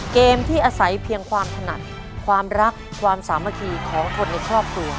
เกมที่อาศัยเพียงความถนัดความรักความสามัคคีของคนในครอบครัว